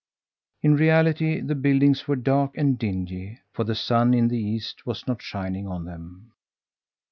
In reality the buildings were dark and dingy, for the sun in the east was not shining on them.